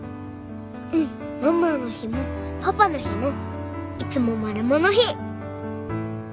うんママの日もパパの日もいつもマルモの日。